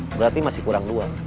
berarti masih kuat